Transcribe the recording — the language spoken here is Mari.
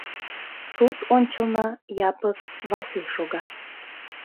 Суд ончылно Япык Васли шога.